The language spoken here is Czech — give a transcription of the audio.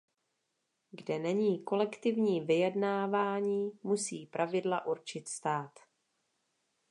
Kde není kolektivní vyjednávání, musí pravidla určit stát.